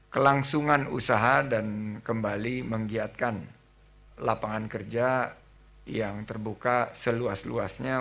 kelangsungan usaha dan kembali menggiatkan lapangan kerja yang terbuka seluas luasnya